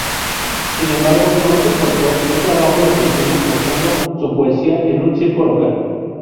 Sin embargo, pronto encontró un trabajo lucrativo mostrando su poesía en un circo local.